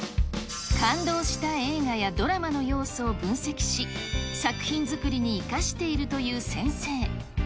感動した映画やドラマの要素を分析し、作品作りに生かしているという先生。